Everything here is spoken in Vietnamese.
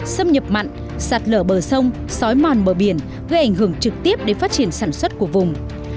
xâm nhập mặn sạt lở bờ sông xói mòn bờ biển gây ảnh hưởng trực tiếp đến phát triển sản xuất của vùng